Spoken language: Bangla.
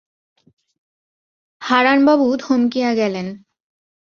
হারানবাবু থমকিয়া গেলেন।